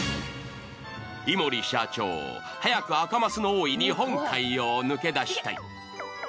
いもり社長早く赤マスの多い日本海を抜け出したい。